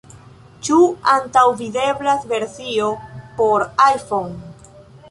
Ĉu antaŭvideblas versio por iPhone?